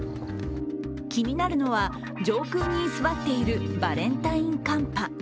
気になるのは上空に居座っているバレンタイン寒波。